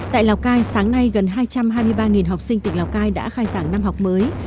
tại lào cai sáng nay gần hai trăm hai mươi ba học sinh tỉnh lào cai đã khai giảng năm học mới